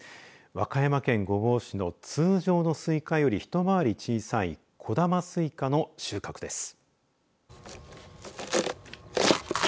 和歌山県御坊市の通常のすいかより一回り小さい小玉すいかの収穫です。